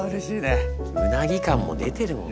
うなぎ感も出てるもんな。